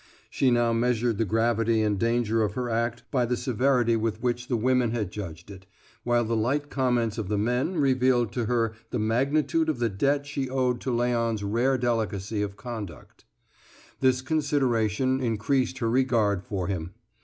She now measured the gravity and danger of her act by the severity with which the women had judged it, while the light comments of the men revealed to her the magnitude of the debt she owed to Léon's rare delicacy of conduct. This consideration increased her regard for him.